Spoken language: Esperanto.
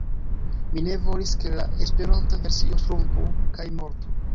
Mi ne volis, ke la Esperanta versio ŝrumpu kaj mortu.